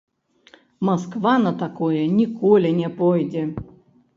Масква на такое ніколі не пойдзе.